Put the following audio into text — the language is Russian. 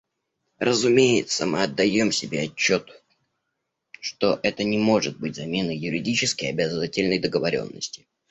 Разумеется, мы отдаем себе отчет, что это не может быть заменой юридически обязательной договоренности.